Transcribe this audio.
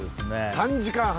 ３時間半！